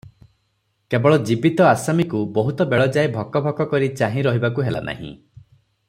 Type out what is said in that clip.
କେବଳ ଜୀବିତ ଆସାମୀକୁ ବହୁତ ବେଳ ଯାଏ ଭକ ଭକ କରି ଚାହିଁ ରହିବାକୁ ହେଲାନାହିଁ ।